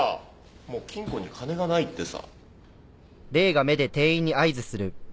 もう金庫に金がないってさ。